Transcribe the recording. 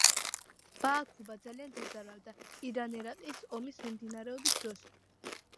ბააქუბა ძალიან დაზარალდა ირან-ერაყის ომის მიმდინარეობის დროს.